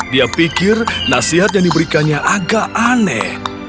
dia pikir nasihat yang diberikannya agak aneh